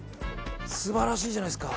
素晴らしいじゃないですか。